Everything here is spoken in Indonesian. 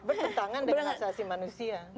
bertentangan dengan asasi manusia